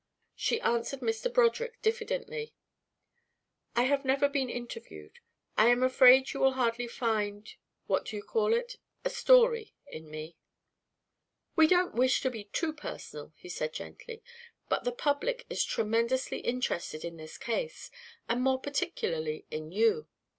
She answered Mr. Broderick diffidently: "I have never been interviewed. I am afraid you will hardly find what do you call it? a story? in me." "We don't wish to be too personal," he said gently, "but the public is tremendously interested in this case, and more particularly in you.